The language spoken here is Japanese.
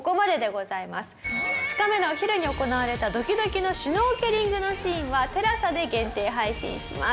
２日目のお昼に行われたドキドキのシュノーケリングのシーンはＴＥＬＡＳＡで限定配信します。